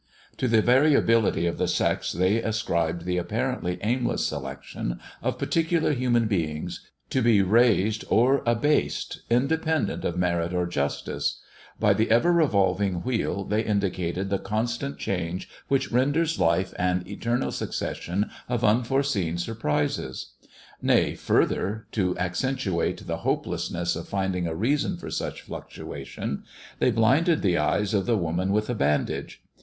To the variability of the sex they ascribed the apparently aimless selection of particular human beings, to be raised or abased independent of merit or justice ; by the ever revolving wheel they indicated the constant change which renders life an eternal succession of unforeseen sur prises. Nay, further to accentuate the hopelessness of finding a reason for such fluctuation, they blinded the eyes of the woman with a bandage.